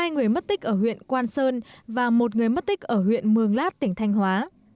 hai người mất tích ở huyện quan sơn và một người mất tích ở huyện mường lát tỉnh thanh hóa